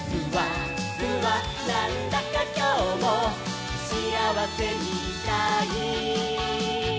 「なんだかきょうもしあわせみたい」